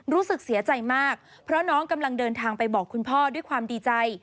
รู้สึกเสียใจมากเพราะน้องกำลังเดินทางไปบอกคุณพ่อด้วยความดีใจ